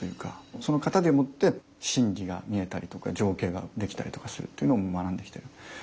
その型でもって心理が見えたりとか情景ができたりとかするっていうのを学んできてる。